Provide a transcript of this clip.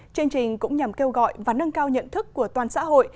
chương trình cũng nhằm kêu gọi và nâng cao nhận thức của toàn xã hội